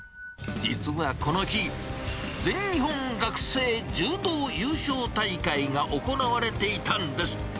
実はこの日、全日本学生柔道優勝大会が行われていたんです。